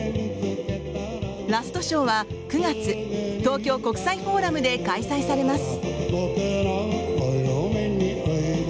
ラストショーは、９月東京国際フォーラムで開催されます。